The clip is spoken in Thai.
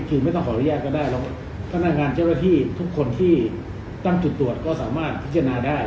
คือไม่ต้องขออนุญาตก็ได้แล้วพนักงานเจ้าหน้าที่ทุกคนที่ตั้งจุดตรวจก็สามารถพิจารณาได้